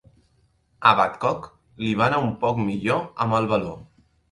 A Badcock, li va anar un poc millor amb el baló.